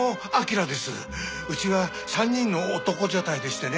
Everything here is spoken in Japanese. うちは３人の男所帯でしてね